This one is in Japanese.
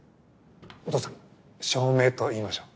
お父さん照明と言いましょう。